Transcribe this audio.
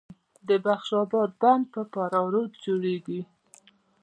د بخش اباد بند په فراه رود جوړیږي